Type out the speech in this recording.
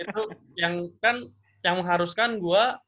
itu yang kan yang mengharuskan gue